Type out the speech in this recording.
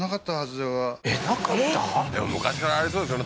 でも昔からありそうですよね